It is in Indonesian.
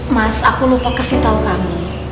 mas aku lupa kasih tahu kamu